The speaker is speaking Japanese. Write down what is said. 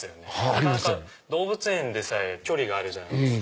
なかなか動物園でさえ距離があるじゃないですか。